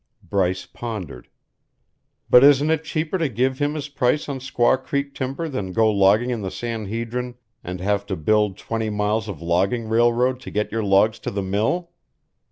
Bryce pondered. "But isn't it cheaper to give him his price on Squaw Creek timber than go logging in the San Hedrin and have to build twenty miles of logging railroad to get your logs to the mill?"